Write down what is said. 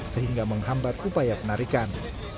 sehingga menghambat upaya penarikan